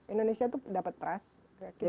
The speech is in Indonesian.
indonesia itu dapat trust